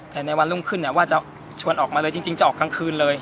แต่ในวันรุ่งขึ้นว่าจะชวนออกมาเลยจริงจะออกกลางคืนเลย